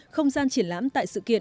không gian triển lãm tại sự kiện